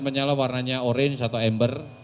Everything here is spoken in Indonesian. menyala warnanya orange atau ember